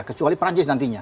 kecuali perancis nantinya